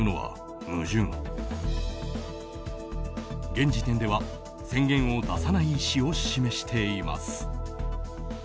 現時点では宣言を出さない意思を示しています。